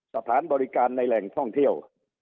สถานบริการในแหล่งท่องเที่ยว